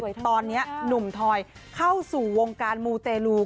ตอนนี้หนุ่มทอยเข้าสู่วงการมูเตลู